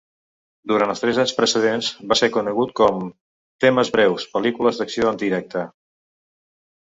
Durant els tres anys precedents va ser conegut com "Temes breus, pel·lícules d'acció en directe".